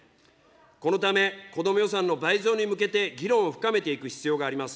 このため、こども予算の倍増に向けて議論を深めていく必要があります。